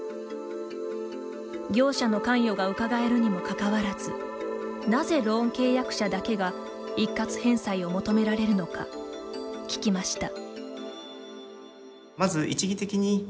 業者の関与がうかがえるにもかかわらずなぜローン契約者だけが一括返済を求められるのか聞きました。